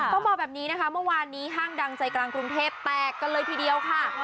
ต้องบอกแบบนี้นะคะเมื่อวานนี้ห้างดังใจกลางกรุงเทพแตกกันเลยทีเดียวค่ะ